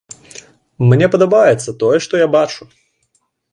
Мне падабаецца тое, што я бачу.